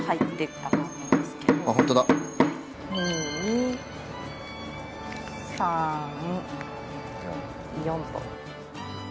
２３４と。